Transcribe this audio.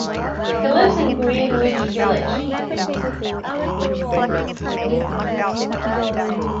He lives in Greenwich Village.